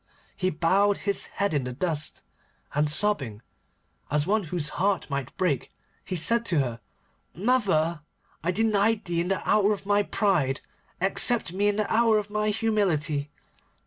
He bowed his head in the dust, and sobbing, as one whose heart might break, he said to her: 'Mother, I denied thee in the hour of my pride. Accept me in the hour of my humility.